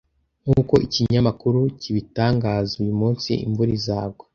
Nk’uko ikinyamakuru kibitangaza, uyu munsi imvura izagwa.